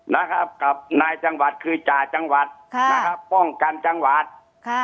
นะครับกับนายจังหวัดคือจ่าจังหวัดค่ะนะครับป้องกันจังหวัดค่ะ